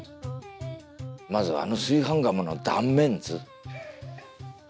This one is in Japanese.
まずあの炊飯釜の断面図。